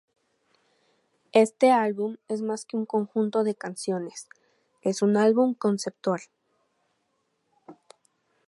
Este álbum es más que un conjunto de canciones, es un álbum conceptual.